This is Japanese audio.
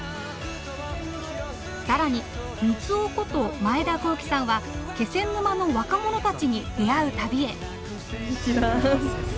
更に三生こと前田航基さんは気仙沼の若者たちに出会う旅へ。